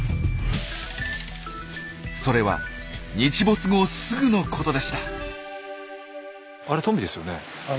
それは日没後すぐのことでした。